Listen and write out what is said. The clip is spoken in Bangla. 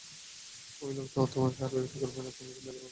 ওই লোক তোমাকে আর বিরক্ত করবে না, কোন চিন্তা করো না।